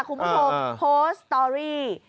คุณผู้ชมโพสต์สตอรี่